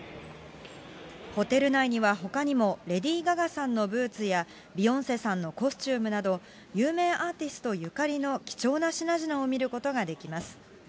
ホテル内にはほかにも、レディ・ガガさんのブーツや、ビヨンセさんのコスチュームなど、有名アーティストゆかりの貴重な品々を見ることができます。